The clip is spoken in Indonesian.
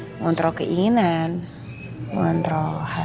mengontrol keinginan mengontrol hasrat